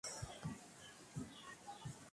কাজে মনোযোগ দাও।